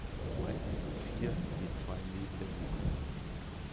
Meist sind es vier, je zwei neben der Luke.